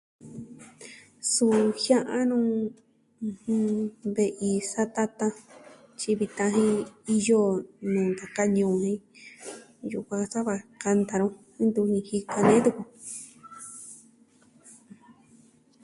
Suu jia'an nu ve'i satatan. Tyi vitan jin iyo nuu ntaka ñuu jin yukuan saa va kanta nu. Ntuni jika nee tuku.